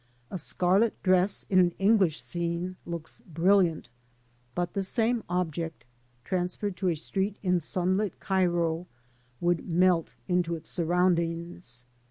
A scarlet dress in an English scene looks brilliant, but the same object transferred to a street in sunlit Cairo would melt into its surroundings.